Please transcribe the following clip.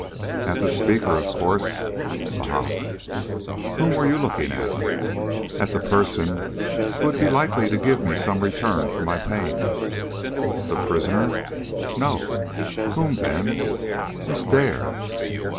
"At the speaker, of course." "Bah!" "Whom were you looking at?" "At the person who would be likely to give me some return for my pains." "The prisoner?" "No." "Whom, then?" "Miss Dare."